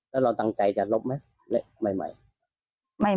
แล้วเราตั้งใจจะลบไหม